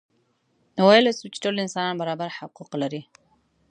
نو ویلای شو چې ټول انسانان برابر حقوق لري.